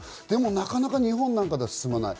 なかなか日本なんかでは進まない。